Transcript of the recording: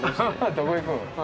「どこ行くん？」。